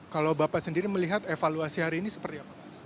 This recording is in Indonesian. kalau bapak sendiri melihat evaluasi hari ini seperti apa pak